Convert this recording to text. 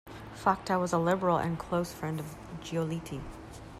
Facta was a Liberal and close friend of Giolitti.